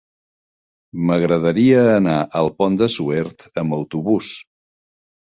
M'agradaria anar al Pont de Suert amb autobús.